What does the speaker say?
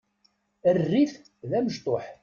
Err-it d amecṭuḥ.